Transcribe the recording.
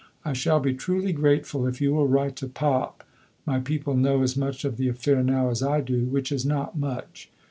I shall be truly grateful if you will write to Pop my people know as much of the affair now as I do which is not much.